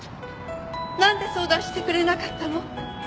なんで相談してくれなかったの？